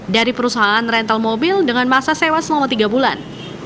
dari perusahaan rental mobil dengan masa sewa selama tiga bulan